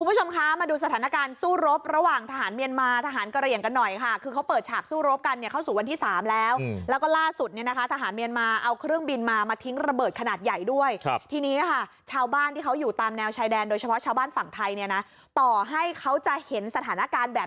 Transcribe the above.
คุณผู้ชมคะมาดูสถานการณ์สู้รบระหว่างทหารเมียนมาทหารกระเหลี่ยงกันหน่อยค่ะคือเขาเปิดฉากสู้รบกันเนี่ยเข้าสู่วันที่สามแล้วแล้วก็ล่าสุดเนี่ยนะคะทหารเมียนมาเอาเครื่องบินมามาทิ้งระเบิดขนาดใหญ่ด้วยครับทีนี้ค่ะชาวบ้านที่เขาอยู่ตามแนวชายแดนโดยเฉพาะชาวบ้านฝั่งไทยเนี่ยนะต่อให้เขาจะเห็นสถานการณ์แบบ